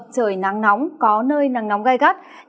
trời nắng nóng có nơi nắng nóng gai gắt